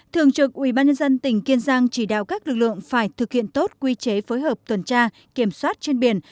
thường trực ubnd tỉnh kiên giang chỉ đạo các lực lượng phải thực hiện tốt quy chế phối hợp tuần tra kiểm soát trên biển